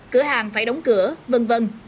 cửa hàng phải đóng cửa v v